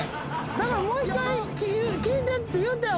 だからもう１回聞いてって言ったよ